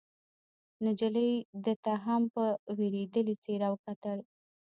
نجلۍ ده ته هم په وېرېدلې څېره وکتل.